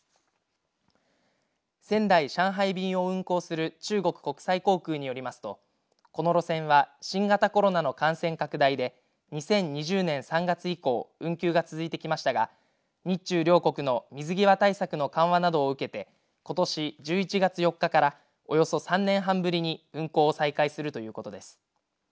仙台、上海便を運航する中国国際航空によりますとこの路線は新型コロナの感染拡大で２０２０年３月以降運休が続いてきましたが日中両国の水際対策の緩和などを受けてことし１１月４日からおよそ３年半ぶりに運航を再開するということです。